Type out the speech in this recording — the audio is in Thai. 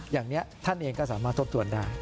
อย่างนี้ท่านเองก็สามารถทบทวนได้